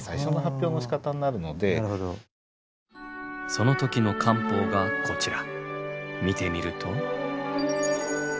その時の官報がこちら。